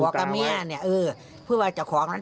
บอกทุกคนแล้ว